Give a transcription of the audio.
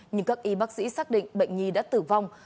nhưng các y bác sĩ xác định bệnh nhi đã tử vong